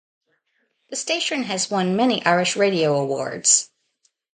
The station has won many Irish radio awards.